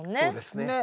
そうですね。